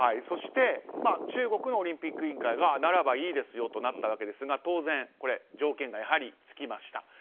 そして中国のオリンピック委員会がならばいいですよとなったわけですが当然、条件が付きました。